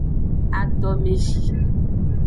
Adomezi.